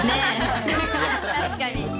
確かに。